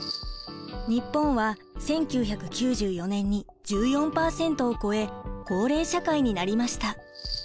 日本は１９９４年に１４％を超え高齢社会になりました。